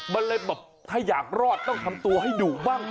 มันเลยแบบถ้าอยากรอดต้องทำตัวให้ดุบ้าง